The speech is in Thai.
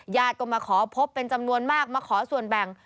ญาติก็มาขอพบเป็นจำนวนมากมาขอส่วนแบ่ง